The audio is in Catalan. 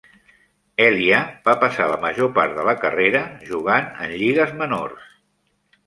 Elia va passar la major part de la carrera jugant en lligues menors.